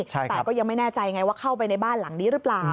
แต่ก็ยังไม่แน่ใจไงว่าเข้าไปในบ้านหลังนี้หรือเปล่า